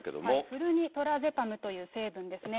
フルニトラゼパムという成分ですね。